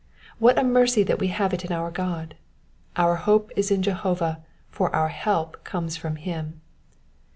What a mercy that we have it in our God. Our hope is in Jehovah, for our help comes from him.